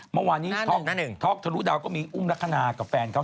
เมื่อวานนี้ท็อกท็อกทะลุดาวก็มีอุ้มลักษณะกับแฟนเขา